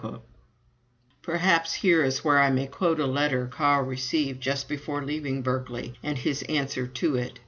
Perhaps here is where I may quote a letter Carl received just before leaving Berkeley, and his answer to it.